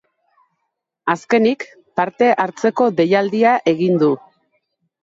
Azkenik, parte hartzeko deialdia egin du.